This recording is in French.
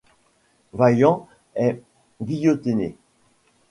Vaillant est guillotiné.